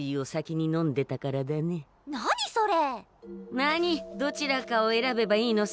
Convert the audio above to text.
なにどちらかを選べばいいのさ。